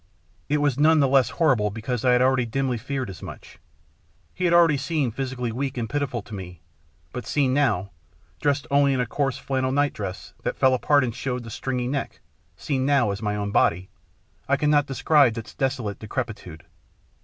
It was none the less horrible because I had already dimly feared as much. He had already seemed physically weak and pitiful to me, but seen now, dressed only in a coarse flannel nightdress that fell apart and showed the stringy neck, seen now as my own body, I cannot describe its desolate decrepitude.